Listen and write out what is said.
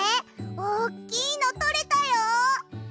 おっきいのとれたよ！